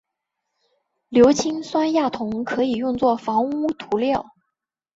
硫氰酸亚铜可以用作防污涂料。